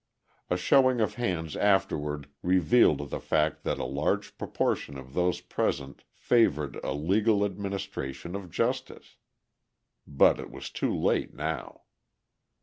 A showing of hands afterward revealed the fact that a large proportion of those present favoured a legal administration of justice. But it was too late now.